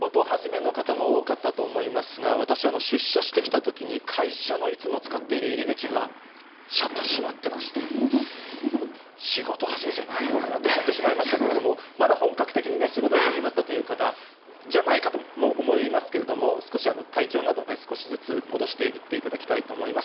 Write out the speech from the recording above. きょうが仕事始めの方も多かったと思いますが、私、出社してきたときに、会社のいつも使っている入り口が、シャッター閉まってまして、仕事始めじゃないのかなと思ってしまいましたけれども、まだ本格的に仕事が始まった方、じゃない方もと思いますけれども、少し体調など、少しずつ戻していっていただきたいと思います。